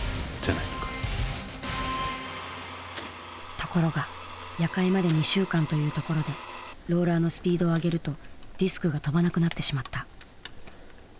ところが夜会まで２週間というところでローラーのスピードを上げるとディスクが飛ばなくなってしまった。